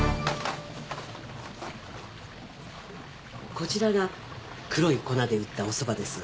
こちらが黒い粉で打ったおそばです